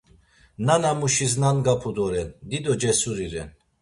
Nanamuşis nangapudoren, dido cesuri ren.